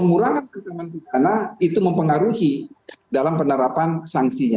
pemurahan kebenaran pidana itu mempengaruhi dalam penerapan sangka sangka